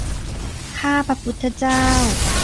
ข้าพระพุทธเจ้า